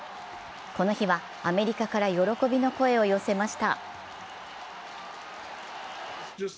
この日はアメリカから喜びの声を寄せました。